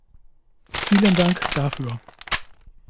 Vielen Dank dafür.